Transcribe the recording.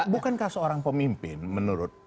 bukan kaseorang pemimpin menurut ikn